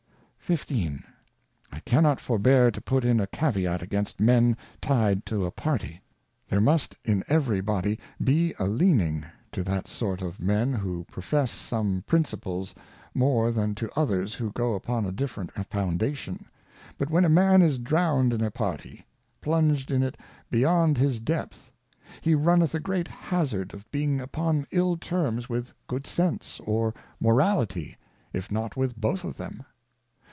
XV. I cannot forbear to put in a Caveat against Men ty'd to a Party. There must in every body be a Leaning to that sort of Men who profess some Principles, more than to others who go upon a different Foundation ; but when a man is drowned in a Party, plunged in it beyond his depth, he runneth a great hazard of being 158 Cautions for Choice of being upon ill terms with good Sense, or Morality, if not with both of them.